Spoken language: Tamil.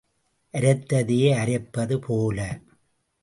அரைத்ததையே அரைப்பது போல.